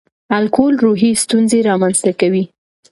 الکول روحي ستونزې رامنځ ته کوي.